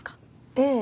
ええ。